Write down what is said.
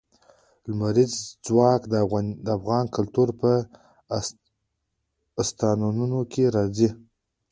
لمریز ځواک د افغان کلتور په داستانونو کې راځي.